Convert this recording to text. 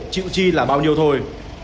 chịu chi là bao nhiêu thôi